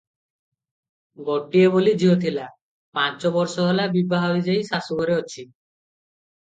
ଗୋଟିଏ ବୋଲି ଝିଅ ଥିଲା, ପାଞ୍ଚ ବର୍ଷହେଲା ବିଭା ହୋଇ ଯାଇ ଶାଶୁଘରେ ଅଛି ।